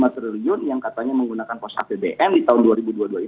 empat puluh lima triliun yang katanya menggunakan posat bbm di tahun dua ribu dua puluh dua ini